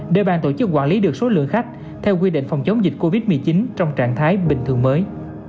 để bàn tổ chức quản lý được số lượng khách theo quy định phòng chống dịch covid một mươi chín trong trạng thái bình thường mới